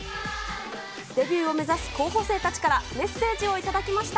デビューを目指す候補生たちからメッセージを頂きました。